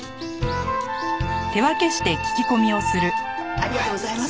ありがとうございます。